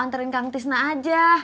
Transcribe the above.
anterin kang tisna aja